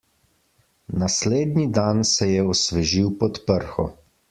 Naslednji dan se je osvežil pod prho.